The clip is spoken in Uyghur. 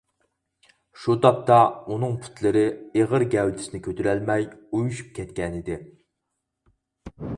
شۇ تاپتا ئۇنىڭ پۇتلىرى ئېغىر گەۋدىسىنى كۆتۈرەلمەي ئۇيۇشۇپ كەتكەنىدى.